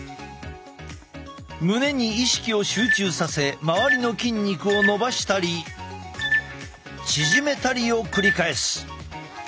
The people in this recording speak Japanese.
胸に意識を集中させ周りの筋肉を伸ばしたり縮めたりを繰り返す。